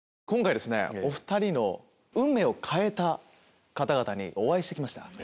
今回お２人の運命を変えた方々にお会いして来ました。